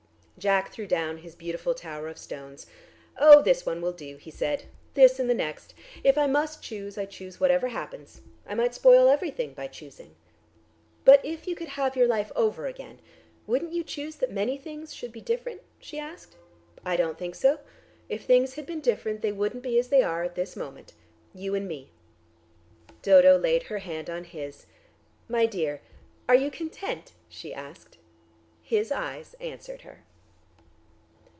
Jack threw down his beautiful tower of stones. "Oh, this one will do," he said. "This and the next. If I must choose, I choose whatever happens. I might spoil everything by choosing." "But if you could have your life over again, wouldn't you choose that many things should be different?" she asked. "I don't think so. If things had been different, they wouldn't be as they are at this moment. You and me." Dodo laid her hand on his. "My dear, are you content?" she asked. His eyes answered her.